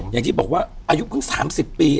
อย่างที่บอกว่าอายุเพิ่ง๓๐ปี